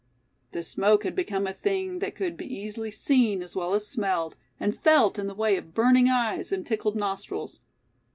The smoke had become a thing that could be easily seen as well as smelled, and felt in the way of burning eyes and tickled nostrils.